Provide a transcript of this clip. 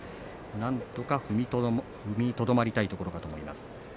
なんとか踏みとどまりたいところかと思います。